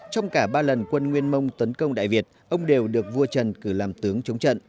trong cả ba lần quân nguyên mông tấn công đại việt ông đều được vua trần cử làm tướng chống trận